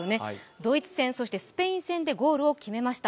ドイツ戦、スペイン戦でゴールを決めました。